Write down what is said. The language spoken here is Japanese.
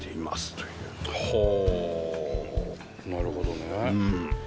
ほうなるほどね。